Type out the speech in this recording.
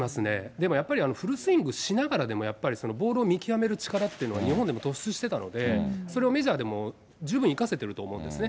でもやっぱり、フルスイングしながらでも、やっぱりボールを見極める力っていうのは、日本でも突出してたので、それをメジャーでも十分生かせてると思うんですね。